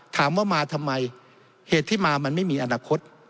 ถามว่ามาทำไมเหตุที่มามันไม่มีอนาคต